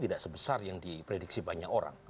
tidak sebesar yang diprediksi banyak orang